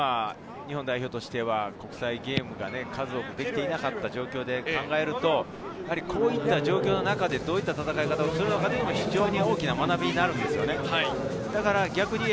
でも日本代表としては、辛いゲームが数多くできていなかった中で考えると、こういった状況の中でどういった戦い方をするのかっていうのも非常の大きな学びになるんですよね。